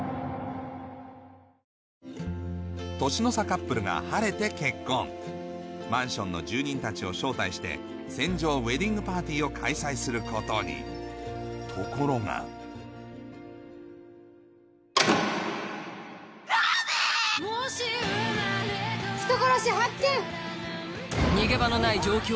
カップルが晴れて結婚マンションの住人たちを招待して船上ウエディングパーティーを開催することにところがダメ‼人殺し発見！